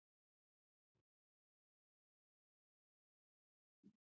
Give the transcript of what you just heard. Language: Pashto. دا مې ارمان دے نور مې نشته ارمانونه